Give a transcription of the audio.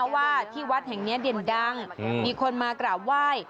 ว่าที่วัดแห่งนี้เด่นดังมีคนมากราบไหว้